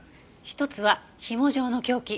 一つはひも状の凶器。